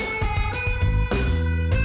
kalian bareng nih